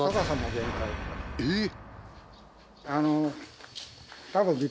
えっ！